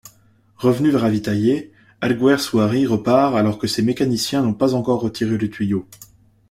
Revenu ravitailler, Alguersuari repart alors que ses mécaniciens n'ont pas encore retiré le tuyau.